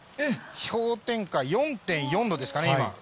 氷点下４．４度ですかね、今。